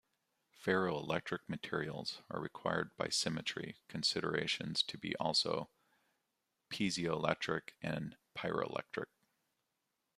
Ferroelectric materials are required by symmetry considerations to be also piezoelectric and pyroelectric.